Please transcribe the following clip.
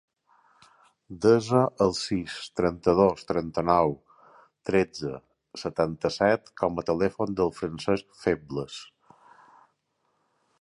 Desa el sis, trenta-dos, trenta-nou, tretze, setanta-set com a telèfon del Francesc Febles.